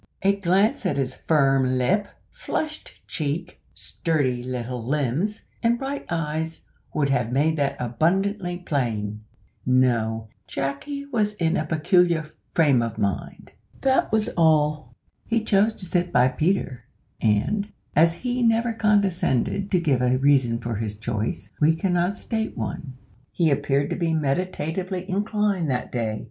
A glance at his firm lip, flushed cheek, sturdy little limbs, and bright eyes, would have made that abundantly plain. No, Jacky was in a peculiar frame of mind that was all. He chose to sit beside Peter, and, as he never condescended to give a reason for his choice, we cannot state one. He appeared to be meditatively inclined that day.